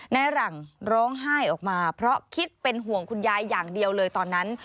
ในหลังร้องไห้ออกมาเพราะคิดเป็นห่วงคุณยายอย่างเดียวเลยตอนนั้น